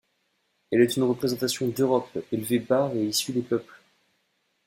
Elle est une représentation d'Europe élevée par et issue des peuples.